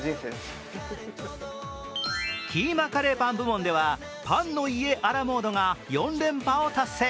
キーマカレーパン部門ではパンの家あ・ら・もーどが４連覇を達成。